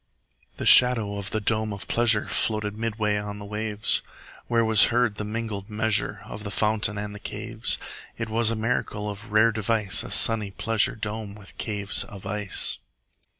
30 The shadow of the dome of pleasure Floated midway on the waves; Where was heard the mingled measure From the fountain and the caves. It was a miracle of rare device, 35 A sunny pleasure dome with caves of ice!